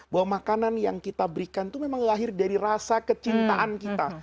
bahwa makanan yang kita berikan itu memang lahir dari rasa kecintaan kita